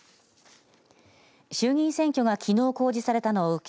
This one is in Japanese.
衆議院選挙はきのう公示されたのを受け